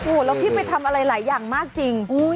พี่ไปทำอะไรหลายอย่างมากจริง